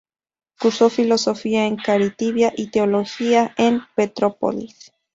Cursó filosofía en Curitiba y teología en Petrópolis.